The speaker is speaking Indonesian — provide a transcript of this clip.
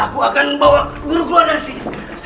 aku akan bawa guru keluar dari sini